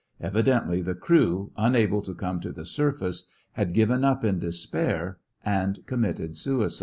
Evidently the crew, unable to come to the surface, had given up in despair and committed suicide.